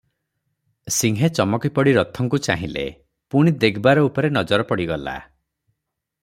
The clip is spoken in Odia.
ସିଂହେ ଚମକି ପଡ଼ି ରଥଙ୍କୁ ଚାହିଁଲେ, ପୁଣି ଦିଗବାର ଉପରେ ନଜର ପଡିଗଲା ।